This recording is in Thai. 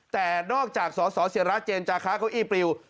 แต่นอกจากสอสอเสียราชเจนจาคะเก้าอี้ปริว